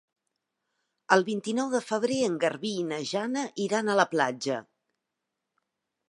El vint-i-nou de febrer en Garbí i na Jana iran a la platja.